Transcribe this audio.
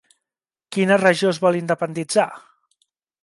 Quina regió es vol independitzar?